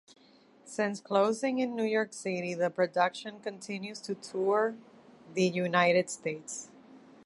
Since closing in New York City, the production continues to tour the United States.